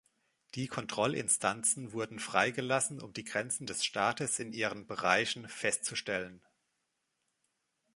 Die Kontrollinstanzen wurden freigelassen, um die Grenzen des Staates in ihren Bereichen festzustellen.